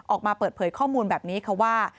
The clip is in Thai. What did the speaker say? ออกมาเปิดเผยข้อมูลแบบนี้ค่ะว่า